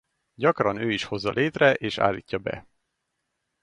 Gyakran ő is hozza létre és állítja be.